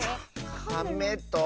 カメと。